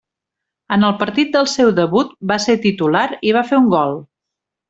En el partit del seu debut va ser titular i va fer un gol.